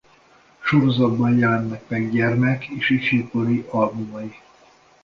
Sorozatban jelennek meg gyermek és ifjúkori albumai.